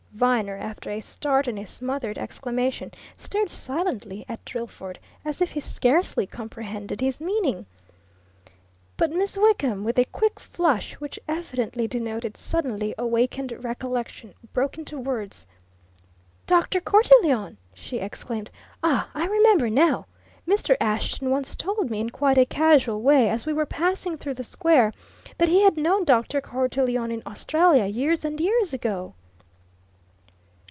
Viner, after a start and a smothered exclamation, stared silently at Drillford as if he scarcely comprehended his meaning. But Miss Wickham, with a quick flush which evidently denoted suddenly awakened recollection, broke into words. "Dr. Cortelyon!" she exclaimed. "Ah I remember now. Mr. Ashton once told me, in quite a casual way as we were passing through the square, that he had known Dr. Cortelyon in Australia, years and years ago!"